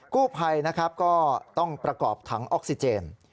คู่ภัยก็ต้องประกอบถังออกซิเจน